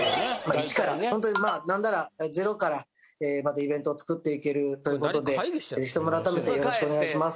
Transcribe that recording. １からほんとにまあなんならゼロからまたイベントを作っていけるということでぜひとも改めてよろしくお願いします。